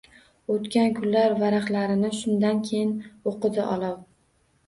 “Oʻtgan kunlar” varaqlarini shundan keyin oʻqidi olov